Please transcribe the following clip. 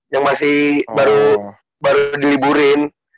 yang masih baru diliburin